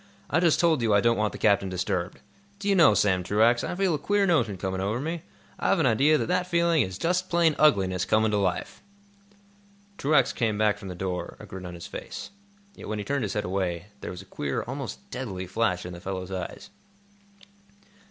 I just told you I don't want the captain disturbed. Do you know, Sam Truax, I feel a queer notion coming over me? I've an idea that that feeling is just plain ugliness coming to life!" Truax came back from the door, a grin on his face. Yet, when he turned his head away, there was a queer, almost deadly flash in the fellow's eyes.